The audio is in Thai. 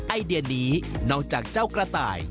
ไอเดียนี้นอกจากเจ้ากระต่าย